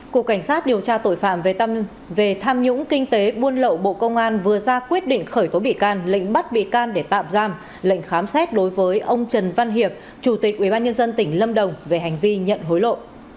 cục cảnh sát điều tra tội phạm về tham nhũng kinh tế buôn lậu bộ công an vừa ra quyết định khởi tố bị can lệnh bắt bị can để tạm giam lệnh khám xét đối với ông trần văn hiệp chủ tịch ubnd tỉnh lâm đồng về hành vi nhận hối lộ